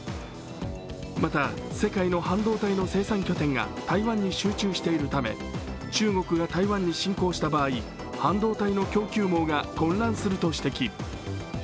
また、世界の半導体の生産拠点が台湾に集中しているため中国が台湾に侵攻した場合、半導体の供給網が混乱すると指摘。